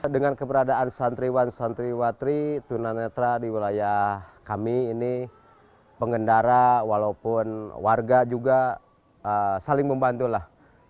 dengan keberadaan santriwan santriwatri tunanetra di wilayah kami ini pengendara walaupun warga juga saling membantu lah